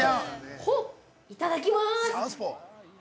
◆いただきます。